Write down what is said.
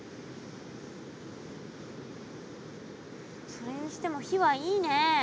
それにしても火はいいねえ。